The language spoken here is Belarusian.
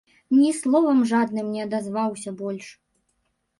Ні словам жадным не адазваўся больш.